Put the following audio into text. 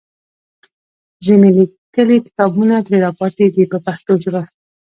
ځینې لیکلي کتابونه ترې راپاتې دي په پښتو ژبه.